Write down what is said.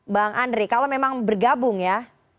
bang andri kalau memang bergabung ya